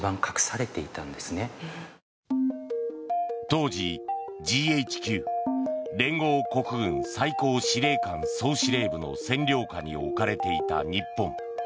当時、ＧＨＱ・連合国軍最高司令官総司令部の占領下に置かれていた日本。